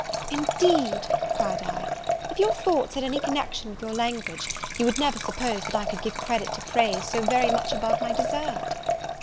"Indeed," cried I, "if your thoughts had any connection with your language, you would never suppose that I could give credit to praise so very much above my desert."